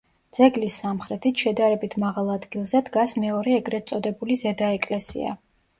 ძეგლის სამხრეთით, შედარებით მაღალ ადგილზე, დგას მეორე ეგრეთ წოდებული ზედა ეკლესია.